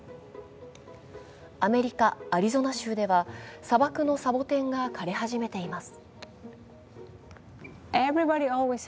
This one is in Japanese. アメリカ・アリゾナ州では砂漠のサボテンが枯れ始めています。